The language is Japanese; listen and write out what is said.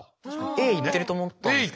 Ａいってると思ったんですけど。